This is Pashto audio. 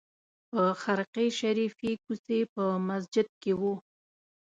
په خرقې شریفې کوڅې په مسجد کې وه.